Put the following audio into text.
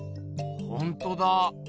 ほんとだ。